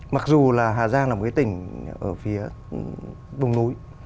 mặc dù là hà giang là một cái tỉnh ở phía vùng núi